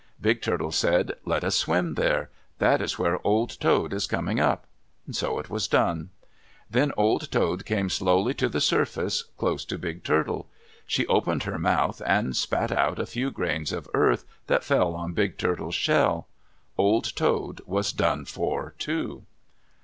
Big Turtle said, "Let us swim there. That is where Old Toad is coming up." So it was done. Then Old Toad came slowly to the surface, close to Big Turtle. She opened her mouth and spat out a few grains of earth that fell on Big Turtle's shell. Old Toad was done for, too.